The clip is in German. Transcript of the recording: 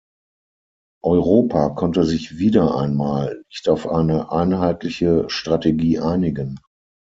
Europa konnte sich wieder einmal nicht auf eine einheitliche Strategie einigen.